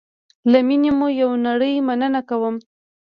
له میني مو یوه نړی مننه کوم